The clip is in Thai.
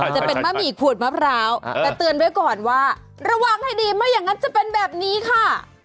จะเป็นมะหมี่ขูดมะพร้าวแต่เตือนไว้ก่อนว่าระวังให้ดีไม่อย่างนั้นจะเป็นแบบนี้ค่ะ